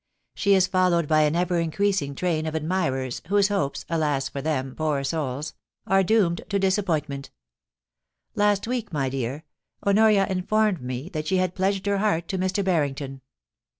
She is followed by an ever increasing train of admirers, whose hopes — alas for them, poor souls !— are doomed to disappointment Last week, my dear, Honoria informed me that she had pledged her heart to Mr. Barring ton.